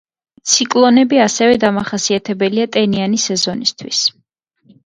ციკლონები ასევე დამახასიათებელია ტენიანი სეზონისთვის.